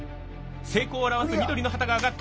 成功を表す緑の旗が上がった！